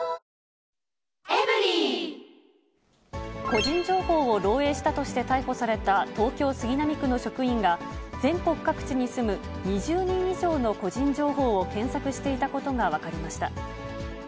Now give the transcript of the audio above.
個人情報を漏えいしたとして逮捕された東京・杉並区の職員が、全国各地に住む２０人以上の個人情報を検索していたことが分かりました。